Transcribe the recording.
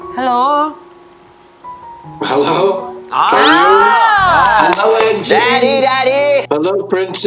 ฮัลโหล